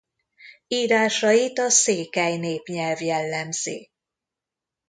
Írásait a székely népnyelv jellemzi.